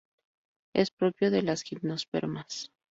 Es propio de las gimnospermas.